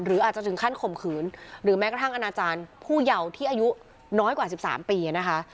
หรืออาจจะถึงขั้นข่มขืนหรือแม้กระทั่งอนาจารย์ผู้เยาว์ที่อายุน้อยกว่า๑๓ปีนะคะ